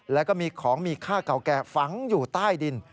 แล้วก็มีของมีค่าเก่าแก่ฝังอยู่ใต้ดิน